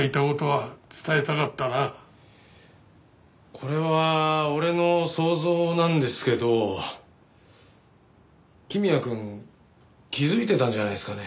これは俺の想像なんですけど公也くん気づいてたんじゃないですかね？